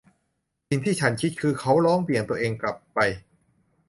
สิ่งที่ฉันคิดคือ เขาร้อง เหวี่ยงตัวเองกลับไป